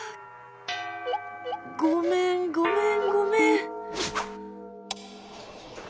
ごめんごめんごめん。